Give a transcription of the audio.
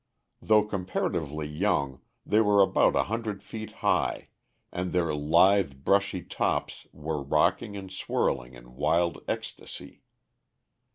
Though comparatively young, they were about 100 feet high, and their lithe, brushy tops were rocking and swirling in wild ecstasy.